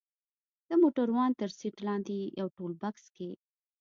د موټروان تر سيټ لاندې په ټولبکس کښې.